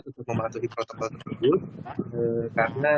saya tetap mematuhi protokol tersebut karena